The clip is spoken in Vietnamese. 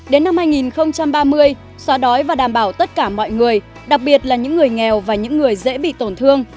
đến năm hai nghìn ba mươi xóa đói và đảm bảo tất cả mọi người đặc biệt là những người nghèo và những người dễ bị tổn thương